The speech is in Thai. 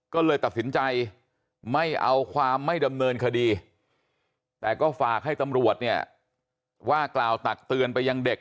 ก็เลยตัดสินใจไม่เอาความไม่ดำเนินคดีแต่ก็ฝากให้ตำรวจเนี่ยว่ากล่าวตักเตือนไปยังเด็ก